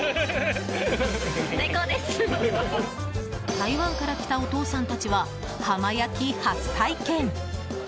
台湾から来たお父さんたちは浜焼き初体験。